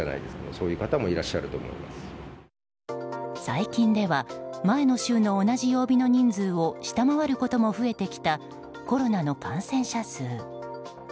最近では前の週の同じ曜日の人数を下回ることも増えてきたコロナの感染者数。